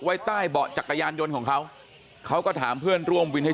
ไว้ใต้เบาะจักรยานยนต์ของเขาเขาก็ถามเพื่อนร่วมวินให้